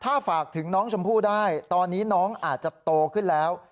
ถ้าฝากถึงน้องชมพู่ได้ตอนนี้น้องอาจจะโตขึ้นแล้ว